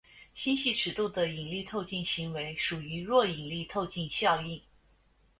星系尺度的引力透镜行为属于弱引力透镜效应。